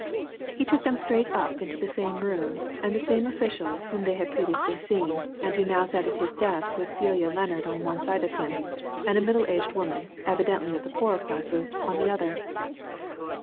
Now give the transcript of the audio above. He took them straight up into the same room, and the same official whom they had previously seen, and who now sat at his desk with Celia Lennard on one side of him, and a middle aged woman, evidently of the poorer classes, on the other.